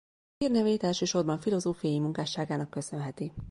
Hírnevét elsősorban filozófiai munkásságnak köszönheti.